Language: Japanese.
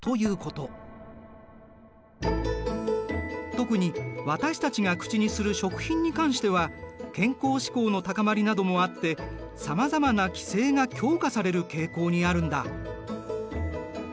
特に私たちが口にする食品に関しては健康志向の高まりなどもあってさまざまな規制が強化される傾向にあるんだ。